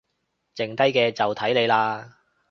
剩低嘅就睇你喇